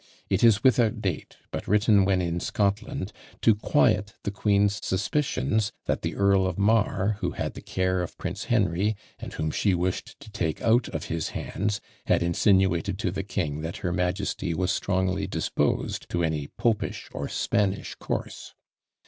It is without date, but written when in Scotland, to quiet the queen's suspicions, that the Earl of Mar, who had the care of Prince Henry, and whom she wished to take out of his hands, had insinuated to the king that her majesty was strongly disposed to any "popish or Spanish course."